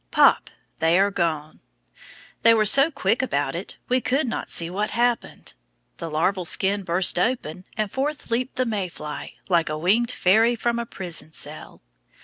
Pop! they are gone. They were so quick about it we could not see what happened. The larval skin burst open and forth leaped the May fly, like a winged fairy from a prison cell.